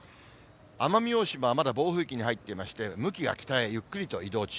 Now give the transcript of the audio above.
奄美大島はまだ暴風域に入っていまして、向きが北へゆっくりと移動中。